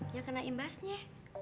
yang kena imbasnya